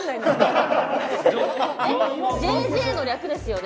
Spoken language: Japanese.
『ＪＪ』の略ですよね。